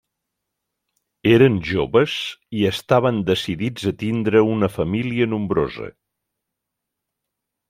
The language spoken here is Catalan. Eren jóvens i estaven decidits a tindre una família nombrosa.